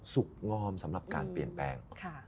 งอมสำหรับการเปลี่ยนแปลง